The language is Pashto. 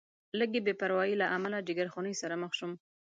لږې بې پروایۍ له امله جیګرخونۍ سره مخ شوم.